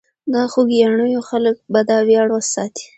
د خوګیاڼیو خلک به دا ویاړ ساتي.